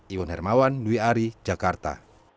iwan hermawan dwi ari jakarta